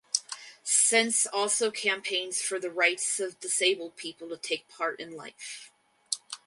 Sense also campaigns for the rights of disabled people to take part in life.